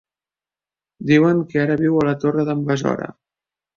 Diuen que ara viu a la Torre d'en Besora.